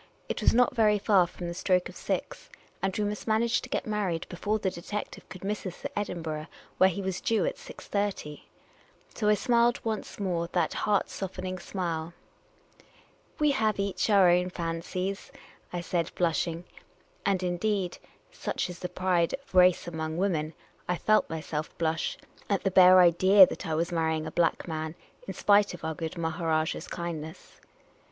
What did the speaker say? It was not very far from the stroke of six, and we must manage to get mar ried before the detective could miss us at Ivdinburgh, where he was due at 6.30. So I smiled once more that heart softening smile. "We have each our own fancies," I said, blushing — and, indeed (such is the pride of race among women), I felt myself blush at the bare idea that I was marrying a black man, in spite of our good Maharajah's kindness.